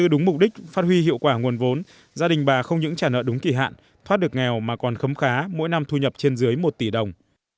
đúng mục đích phát huy hiệu quả nguồn vốn gia đình bà không những trả nợ đúng kỳ hạn thoát được nghèo mà còn khấm khá mỗi năm thu nhập trên dưới một tỷ đồng